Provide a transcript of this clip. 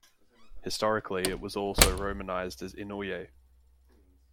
Historically, it was also romanized as Inouye.